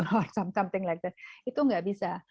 atau sesuatu seperti itu itu tidak bisa